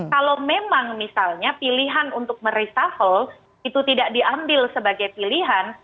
kalau memang misalnya pilihan untuk mereshuffle itu tidak diambil sebagai pilihan